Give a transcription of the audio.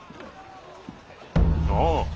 ああ。